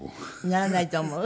ならないと思う？